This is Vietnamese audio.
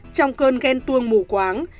trong cơn ghen tuông mù quáng